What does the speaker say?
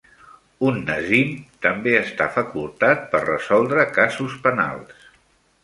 Un "nazim" també està facultat per resoldre casos penals.